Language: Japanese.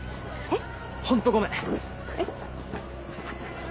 えっ？